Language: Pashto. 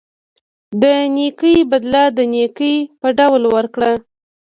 د نیکۍ بدله د نیکۍ په ډول ورکړه.